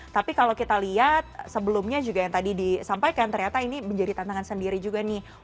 tapi kalau kita lihat sebelumnya juga yang tadi disampaikan ternyata ini menjadi tantangan sendiri juga nih